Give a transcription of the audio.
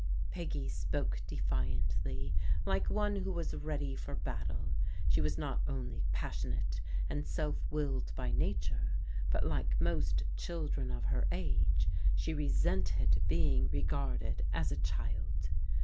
Peggy spoke defiantly, like one who was ready for bat tle. She was not only passionate and self willed by na ture, but, like most children of her age, she resented be ing regarded as a child.